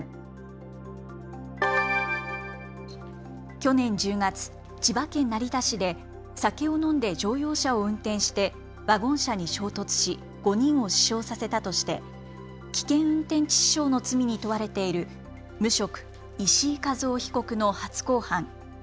去年１０月、千葉県成田市で酒を飲んで乗用車を運転してワゴン車に衝突し５人を死傷させたとして危険運転致死傷の罪に問われている無職、石井一雄被告の初公判。